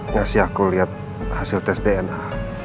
ngasih aku liat hasil tes dna